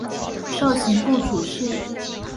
授刑部主事。